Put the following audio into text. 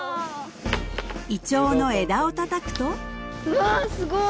イチョウの枝をたたくとうわすごい！